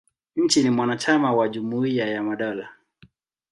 Nchi ni mwanachama wa Jumuia ya Madola.